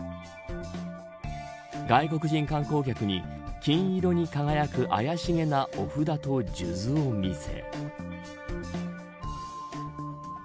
外国人観光客に金色に輝く怪しげなお札と数珠を見せ。